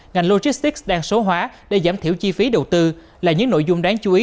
ngành logistics đang số hóa để giảm thiểu chi phí đầu tư là những nội dung đáng chú ý